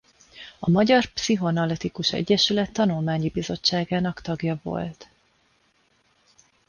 A Magyar Pszichoanalitikus Egyesület tanulmányi bizottságának tagja volt.